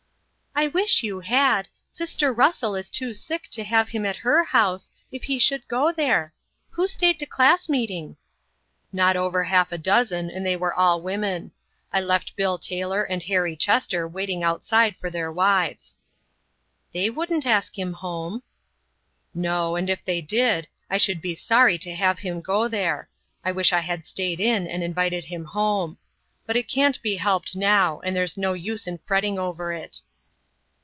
"I wish you had. Sister Russell is too sick to have him at her house, if he should go there. Who stayed to class meeting?" "Not over half a dozen, and they were all women. I left Bill Taylor and Harry Chester waiting outside for their wives." "They wouldn't ask him home." "No; and if they did, I should be sorry to have him go there. I wish I had stayed in, and invited him home. But it can't be helped now, and there's no use in fretting over it."